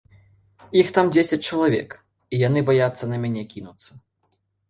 Іх там дзесяць чалавек, і яны баяцца на мяне кінуцца.